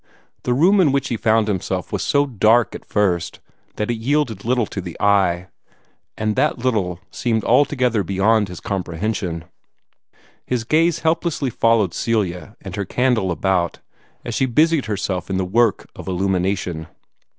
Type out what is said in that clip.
The room in which he found himself was so dark at first that it yielded little to the eye, and that little seemed altogether beyond his comprehension. His gaze helplessly followed Celia and her candle about as she busied herself in the work of illumination.